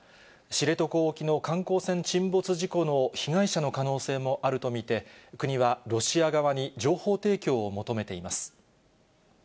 知床沖の観光船沈没事故の被害者の可能性もあると見て、国はロシア側に情報提供を求めています。